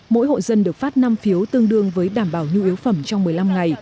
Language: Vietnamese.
mỗi hộ dân được phát năm phiếu tương đương với đảm bảo nhu yếu phẩm trong một mươi năm ngày